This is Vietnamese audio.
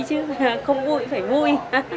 không vui chứ không vui phải vui